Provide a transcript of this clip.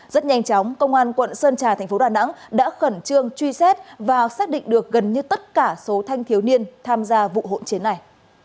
rất nhanh chóng công an quận sơn trà thành phố đà nẵng đã khẩn trương truy xét và xác định được gần như tất cả số thanh thiếu niên tham gia vụ hỗn chiến này